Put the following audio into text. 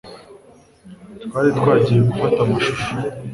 Twari twagiye gufata amashusho